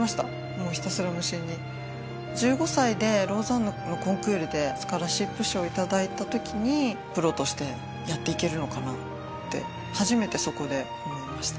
もうひたすら無心に１５歳でローザンヌのコンクールでスカラシップ賞いただいたときにプロとしてやっていけるのかなって初めてそこで思いました